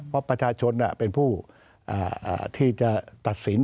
เพราะประชาชนเป็นผู้ที่จะตัดสิน